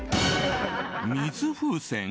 水風船？